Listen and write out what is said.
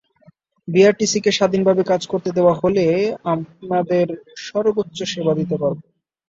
বিটিআরসিকে স্বাধীনভাবে কাজ করতে দেওয়া হলে আপনাদের সর্বোচ্চ সেবা দিতে পারব।